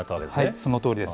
そのとおりです。